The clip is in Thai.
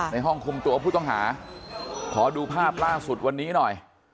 ในห้องคุมตัวผู้ต้องหาขอดูภาพล่าสุดวันนี้หน่อย